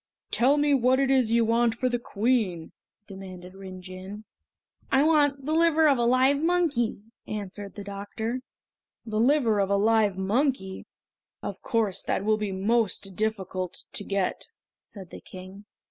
"Tell me what it is you want for the Queen?" demanded Rin Jin. "I want the liver of a live monkey!" answered the doctor. "The liver of a live monkey! Of course that will be most difficult to get," said the King.